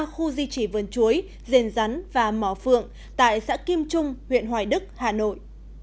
ba khu di trì vườn chuối rền rắn và mỏ phượng tại xã kim trung huyện hoài đức hà nội